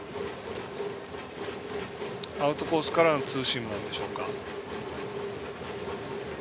アウトコースからのツーシームなんでしょうか。